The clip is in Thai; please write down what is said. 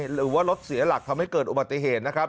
หรือว่ารถเสียหลักทำให้เกิดอุบัติเหตุนะครับ